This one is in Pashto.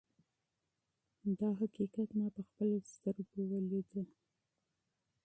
دا حقیقت ما په خپلو سترګو ولید.